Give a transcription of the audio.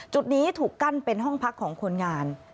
จุดนี้ถูกกั้นเป็นห้องพักของคนงาน